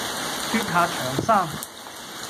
脫下長衫，